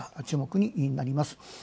注目になります。